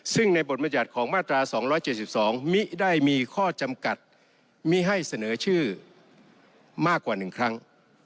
ซึ่งในบทบรรยัติของมาตรา๒๗๒มิได้มีข้อจำกัดมิให้เสนอชื่อมากกว่า๑ครั้ง